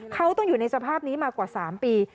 เขาต้องอยู่ในสภาพนี้มากว่า๓ปี